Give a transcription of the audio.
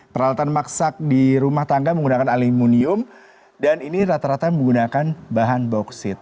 peralatan maksak di rumah tangga menggunakan aluminium dan ini rata rata menggunakan bahan bauksit